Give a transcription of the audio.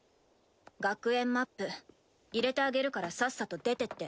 学園マップ入れてあげるからさっさと出てって。